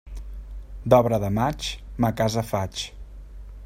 D'obra de maig, ma casa faig.